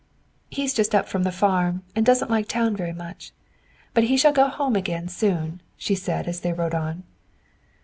"He's just up from the farm and doesn't like town very much. But he shall go home again soon," she said as they rode on.